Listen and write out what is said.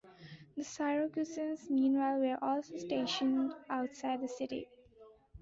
The Syracusans, meanwhile, were also stationed outside the city.